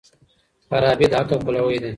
فارابي د عقل پلوی دی.